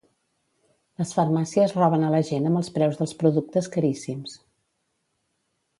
Les farmàcies roben a la gent amb els preus dels productes caríssims